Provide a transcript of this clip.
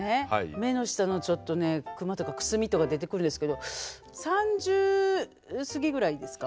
目の下のちょっとねくまとかくすみとか出てくるんですけど３０過ぎぐらいですか？